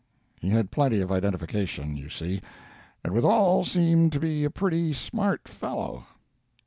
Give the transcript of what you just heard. He had plenty of identification, you see, and with all seemed to be a pretty smart fellow.